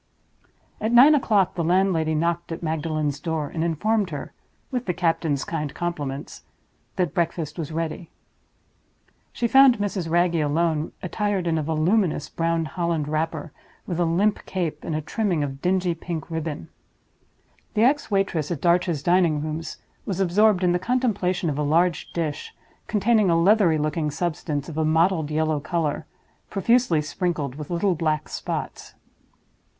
At nine o'clock the landlady knocked at Magdalen's door, and informed her (with the captain's kind compliments) that breakfast was ready. She found Mrs. Wragge alone, attired in a voluminous brown holland wrapper, with a limp cape and a trimming of dingy pink ribbon. The ex waitress at Darch's Dining rooms was absorbed in the contemplation of a large dish, containing a leathery looking substance of a mottled yellow color, profusely sprinkled with little black spots.